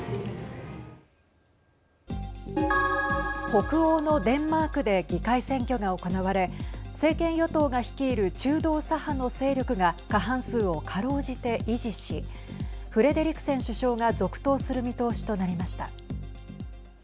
北欧のデンマークで議会選挙が行われ政権与党が率いる中道左派の勢力が過半数をかろうじて維持しフレデリクセン首相が続投する見通しとなりました。